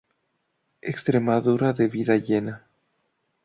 Extremadura de vida llena.